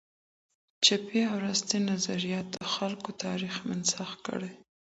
چپي او راسته نظریاتو د هېواد تاریخ مسخ کړ.